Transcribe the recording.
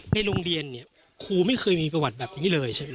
ในโรงเรียนเนี่ยครูไม่เคยมีประวัติแบบนี้เลยใช่ไหม